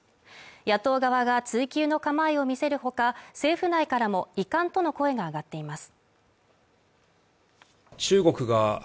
野党側が追及の構えを見せるほか政府内からも遺憾との声が上がっています